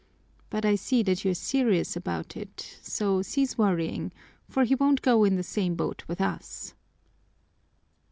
But I see that you're serious about it, so cease worrying, for he won't go in the same boat with us."